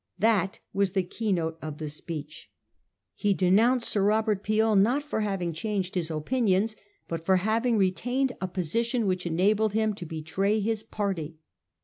That was the key note of the speech. He 306 A HISTORY OF OUR OWN TIMES. OH. X7I. denounced Sir Robert Peel not for baying changed his opinions, but for having retained a position which enabled him to betray his party.